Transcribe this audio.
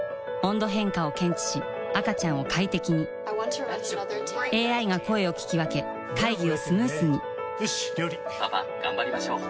温度変化を検知し赤ちゃんを快適にＡＩが声を聞き分け会議をスムースによし！